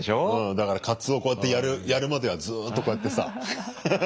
だからカツオこうやってやるまではずっとこうやってさ。